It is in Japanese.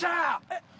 えっ？